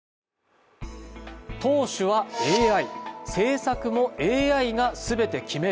党首はＡＩ、政策もＡＩが全て決める。